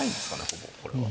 ほぼこれは。